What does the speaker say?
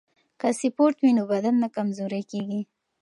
که سپورت وي نو بدن نه کمزوری کیږي.